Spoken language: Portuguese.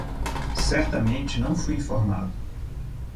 Certamente não fui informado